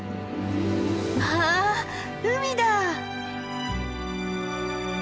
わあ海だ！